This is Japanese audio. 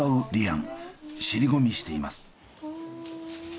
尻込みしています。